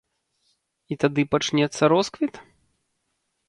І тады пачнецца росквіт?